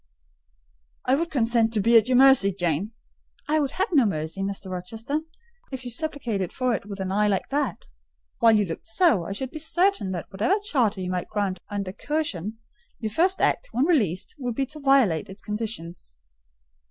"I would consent to be at your mercy, Jane." "I would have no mercy, Mr. Rochester, if you supplicated for it with an eye like that. While you looked so, I should be certain that whatever charter you might grant under coercion, your first act, when released, would be to violate its conditions."